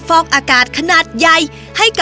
ใบตองรัชตวรรณโธชนุกรุณค่ะ